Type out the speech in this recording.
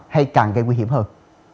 hay càng gây nguy hiểm hơn